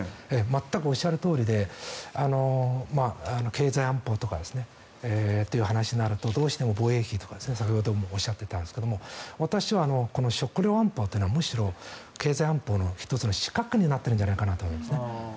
全くおっしゃるとおりで経済安保という話になるとどうしても防衛費とか先ほどもおっしゃっていたんですが私はこの食料安保というのはむしろ経済安保の一つの死角になってるんじゃないかなと思います。